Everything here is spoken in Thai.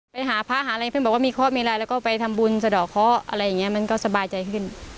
ไปหาพระหาอะไรเพื่อนบอกว่ามีเคราะห์มีอะไรแล้วก็ไปทำบุญสะดอกเคาะอะไรอย่างนี้มันก็สบายใจขึ้น